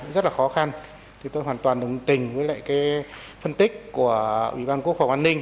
rất là khó khăn thì tôi hoàn toàn đồng tình với lại cái phân tích của ủy ban quốc phòng an ninh